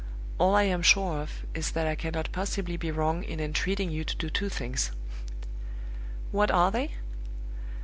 All I am sure of is that I cannot possibly be wrong in entreating you to do two things." "What are they?"